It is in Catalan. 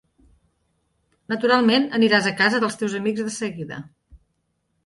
Naturalment, aniràs a casa dels teus amics de seguida.